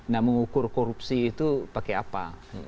nah mengukur korupsi itu pakai apa